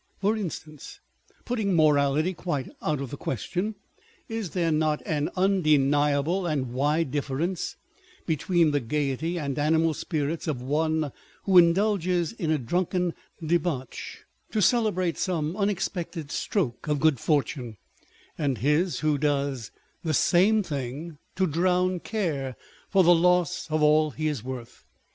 For instance, putting morality quite out of the question ; is there not an undeniable and wide difference between the gaiety and animal spirits of one who indulges in a drunken debauch to celebrate some unexpected stroke of good fortune, and his who does the same thing to drown care for the loss of all he is worth